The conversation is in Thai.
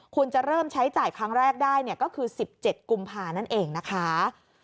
คุณจะเริ่มใช้จ่ายครั้งแรกได้ก็คือ๑๗กุมภานั่นเองนะคะ